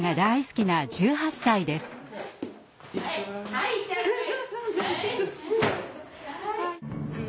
はいいってらっしゃい。